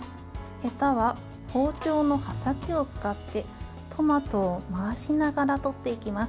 へたは包丁の刃先を使ってトマトを回しながら取っていきます。